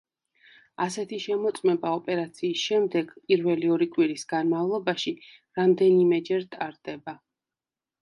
ასეთი შემოწმება ოპერაციის შემდეგ პირველი ორი კვირის განმავლობაში რამდენიმეჯერ ტარდება.